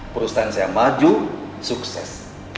perusahaan saya maju sukses